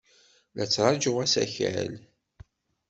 La ttṛajuɣ asakal.